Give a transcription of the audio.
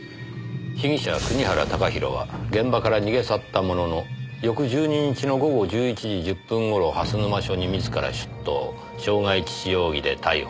「被疑者国原貴弘は現場から逃げ去ったものの翌１２日の午後１１時１０分頃蓮沼署に自ら出頭」「傷害致死容疑で逮捕。